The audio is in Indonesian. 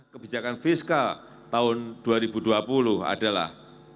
kebijakan fiskal tahun dua ribu dua puluh adalah